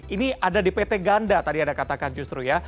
ini ada dpt ganda tadi ada katakan justru ya